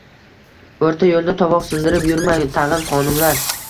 O`rta yo`lda tovoq sindirib yurmang, tag`in, xonimlar